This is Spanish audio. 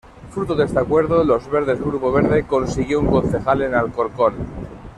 Fruto de este acuerdo, Los Verdes-Grupo Verde consiguió un concejal en Alcorcón.